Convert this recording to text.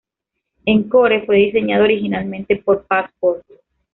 Encore fue diseñado originalmente por Passport.